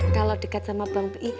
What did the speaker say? kalau dekat sama bang p i